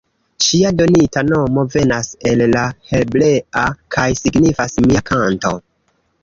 Ŝia donita nomo venas el la hebrea kaj signifas „mia kanto“.